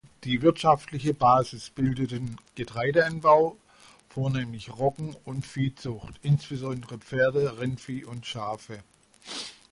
Die wirtschaftliche Basis bildeten Getreideanbau, vornehmlich Roggen, und Viehzucht, insbesondere Pferde, Rindvieh und Schafe.